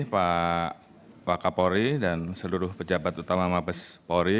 pak wakil polri dan seluruh pejabat utama mabes polri